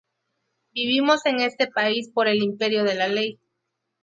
Vivimos en este país por el imperio de la ley.